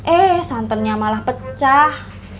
eh santannya malah pecah